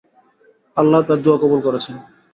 আল্লাহ তার দুআ কবুল করেছেন।